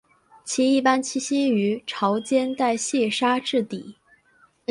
其一般栖息于潮间带细砂质底。